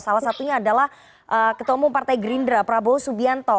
salah satunya adalah ketemu partai gerindra prabowo subianto